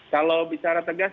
kalau bicara tegas